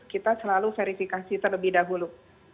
kita selalu verifikasi terlebih dahulu